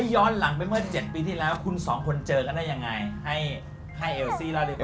ย้อนหลังไปเมื่อ๗ปีที่แล้วคุณสองคนเจอกันได้ยังไงให้เอลซี่เล่าดีกว่า